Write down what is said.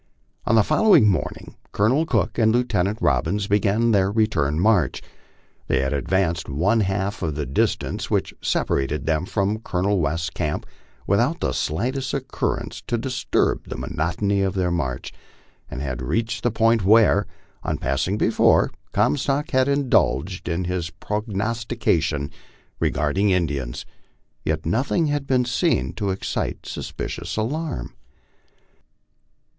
On the following morning Colonel Cook and Lieutenant Robbins began their return march. They had advanced one half the distance which sepa rated them from Colonel West's camp without the slightest occurrence to dis turb the monotony of their march, and had reached the point where, on pass ing before, Comstock had indulged in his prognostication regarding Indians; yet nothing had been seen to excite suspicion or alarm.